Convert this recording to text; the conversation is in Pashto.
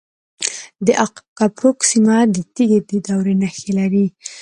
د اق کپروک سیمه د تیږې د دورې نښې لري